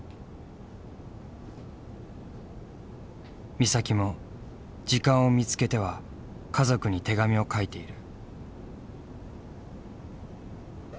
美咲も時間を見つけては家族に手紙を書いている。